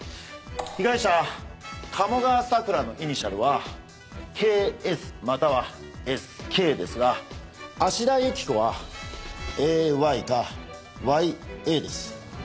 被害者鴨川咲良のイニシャルはＫＳまたはＳＫですが芦田雪子はＡＹかＹＡです。